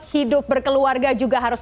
hidup berkeluarga juga harus